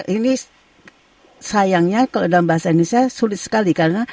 ini sayangnya kalau dalam bahasa indonesia sulit sekali karena